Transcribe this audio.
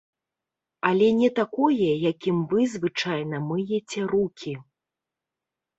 Але не такое, якім вы звычайна мыеце рукі.